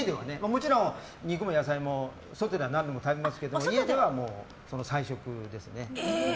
もちろん、肉も外では食べますけど家ではもう菜食ですね。